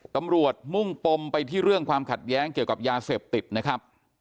มุ่งปมไปที่เรื่องความขัดแย้งเกี่ยวกับยาเสพติดนะครับ